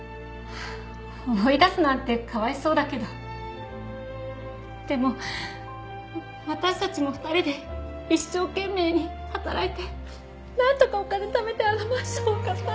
追い出すなんてかわいそうだけどでも私たちも２人で一生懸命に働いてなんとかお金ためてあのマンションを買ったんです。